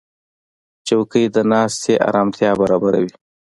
چوکۍ د ناستې آرامتیا برابروي.